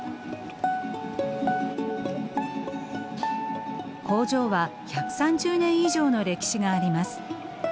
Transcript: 工場は１３０年以上の歴史があります。